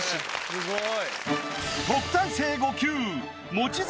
すごい。